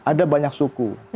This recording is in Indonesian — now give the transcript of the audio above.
ada banyak suku